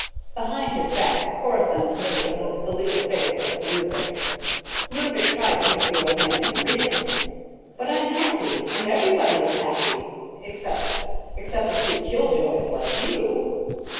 Behind his back, Corisande made a little filial face at Ludovick. Ludovick tried to make the old man see reason. "But I'm happy. And everybody is happy, except except a few killjoys like you."